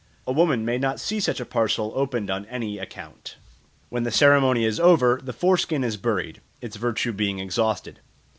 A woman may not see such a parcel opened on any account. When the ceremony is over, the foreskin is buried, its virtue being exhausted.